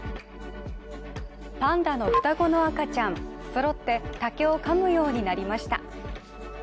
パンダの双子の赤ちゃん、そろって竹を噛むようになりました。